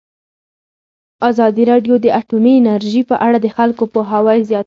ازادي راډیو د اټومي انرژي په اړه د خلکو پوهاوی زیات کړی.